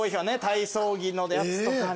体操着のやつとかね。